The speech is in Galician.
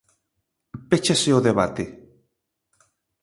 Péchase o debate.